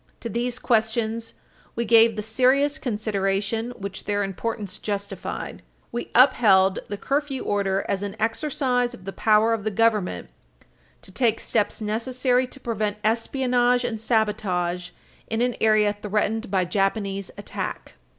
To these questions, we gave the serious consideration which their importance justified. We upheld the curfew order as an exercise of the power of the government to take steps necessary to prevent espionage and sabotage in an area threatened by Japanese attack.